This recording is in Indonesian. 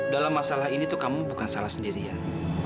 dalam masalah ini tuh kamu bukan salah sendirian